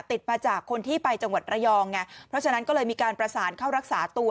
ติดมาจากคนที่ไปจังหวัดระยองไงเพราะฉะนั้นก็เลยมีการประสานเข้ารักษาตัว